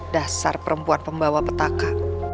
dasar perempuan pembawa petaka